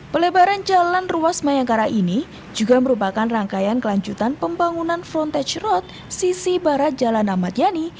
pelebaran jalan ruas mayangkara ini juga merupakan rangkaian kelanjutan pembangunan frontage road sisi barat jalan ahmad yani